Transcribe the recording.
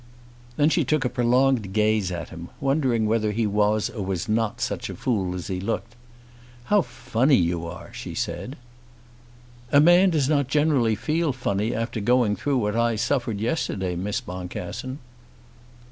Then she took a prolonged gaze at him, wondering whether he was or was not such a fool as he looked. "How funny you are," she said. "A man does not generally feel funny after going through what I suffered yesterday, Miss Boncassen."